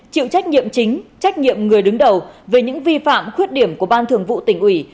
chịu trách nhiệm chính trách nhiệm người đứng đầu về những vi phạm khuyết điểm của ban thường vụ tỉnh ủy